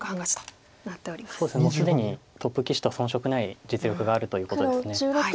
もう既にトップ棋士と遜色ない実力があるということです。